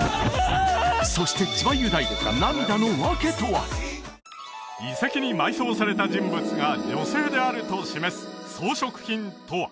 そして千葉雄大遺跡に埋葬された人物が女性であると示す装飾品とは？